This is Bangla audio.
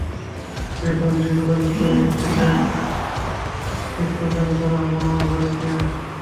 ব্র্যাক অফিসে যোগাযোগ করে একটি ব্র্যাক স্কুল চালু করা হলো আমার বাড়িতে।